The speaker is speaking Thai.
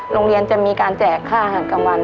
โรงเรียนจะมีการแจกค่าอาหารกลางวัน